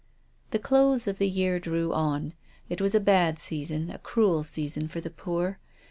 The close of the year drew on. It was a bad season, a cruel season for the poor.